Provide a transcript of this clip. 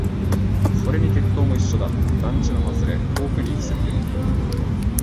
それに鉄塔も一緒だ。団地の外れ、遠くに位置する鉄塔。